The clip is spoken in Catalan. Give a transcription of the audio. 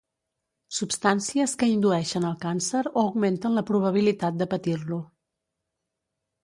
Substàncies que indueixen el càncer o augmenten la probabilitat de patir-lo.